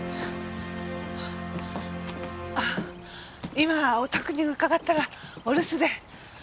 今お宅に伺ったらお留守で。